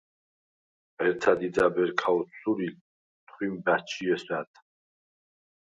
ღერთა̈ დიდა̈ბ ერ ქა ოთსურილ, თხვიმ ბა̈ჩჟი ესვა̈დ.